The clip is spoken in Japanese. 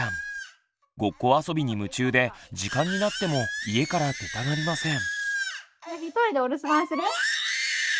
ごっこ遊びに夢中で時間になっても家から出たがりません。